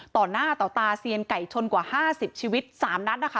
ต่อหน้าต่อตาเซียนไก่ชนกว่า๕๐ชีวิต๓นัดนะคะ